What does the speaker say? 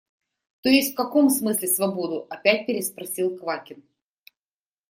– То есть в каком смысле свободу? – опять переспросил Квакин.